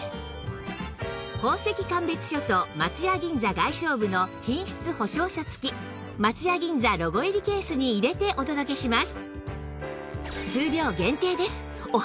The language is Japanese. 宝石鑑別書と松屋銀座外商部の品質保証書付き松屋銀座ロゴ入りケースに入れてお届けします